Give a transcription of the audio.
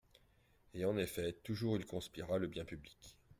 Et en effet toujours il conspira le bien public.